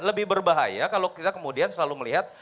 lebih berbahaya kalau kita kemudian selalu melihat